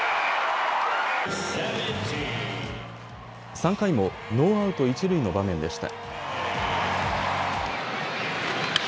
３回もノーアウト一塁の場面でした。